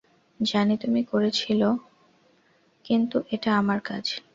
জানি তুমি করেছিল কিন্তু এটা আমার কাজ।